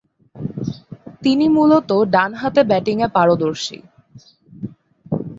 তিনি মূলতঃ ডানহাতে ব্যাটিংয়ে পারদর্শী।